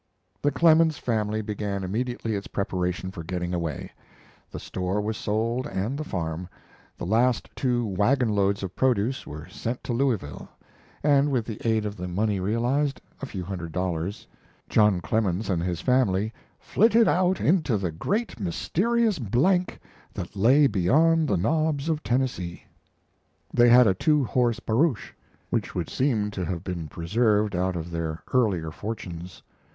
The Clemens family began immediately its preparation for getting away. The store was sold, and the farm; the last two wagon loads of produce were sent to Louisville; and with the aid of the money realized, a few hundred dollars, John Clemens and his family "flitted out into the great mysterious blank that lay beyond the Knobs of Tennessee." They had a two horse barouche, which would seem to have been preserved out of their earlier fortunes.